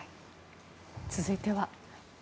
続いては。